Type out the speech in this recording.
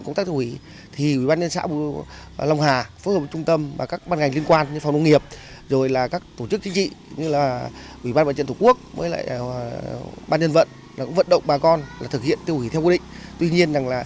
công tác dập dịch tại đây đang gặp nhiều khó khăn